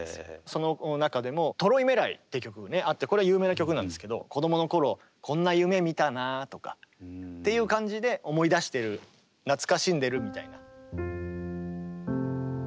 その中でも「トロイメライ」って曲があってこれは有名な曲なんですけど子供の頃こんな夢見たなとかっていう感じで思い出してる懐かしんでるみたいな。